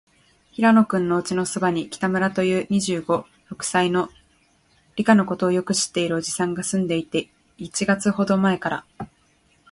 平野君のおうちのそばに、北村という、二十五、六歳の、理科のことをよく知っているおじさんがすんでいて、一月ほどまえから、